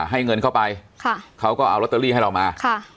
ให้เงินเข้าไปเขาก็เอาลอตเตอรี่ให้เรามา